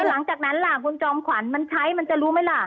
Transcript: หลังจากนั้นล่ะคุณจอมขวัญมันใช้มันจะรู้ไหมล่ะ